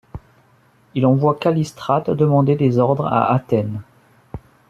Il envoie Callistrate demander des ordres à Athènes.